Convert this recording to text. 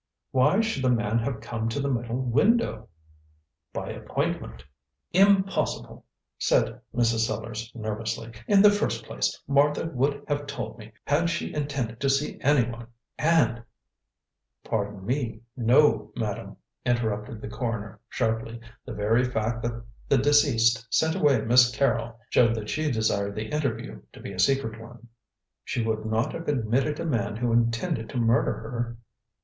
"Why should the man have come to the middle window?" "By appointment." "Impossible," said Mrs. Sellars nervously. "In the first place, Martha would have told me had she intended to see anyone, and " "Pardon me, no, madam," interrupted the coroner sharply. "The very fact that the deceased sent away Miss Carrol showed that she desired the interview to be a secret one." "She would not have admitted a man who intended to murder her."